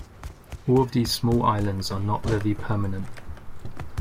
All of these small islands are not very permanent.